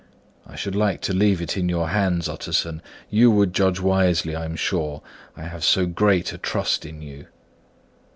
I should like to leave it in your hands, Utterson; you would judge wisely, I am sure; I have so great a trust in you."